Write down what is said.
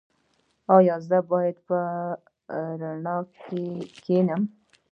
ایا زه باید په رڼا کې کینم؟